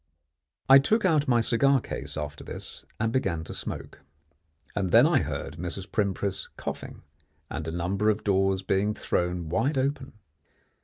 I took out my cigar case after this and began to smoke; and then I heard Mrs. Primpris coughing and a number of doors being thrown wide open.